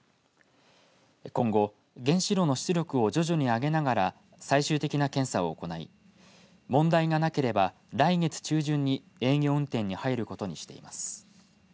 今後原子炉の出力を徐々に上げながら最終的な検査を行い問題がなければ来月中旬に営業運転に入ることにしています。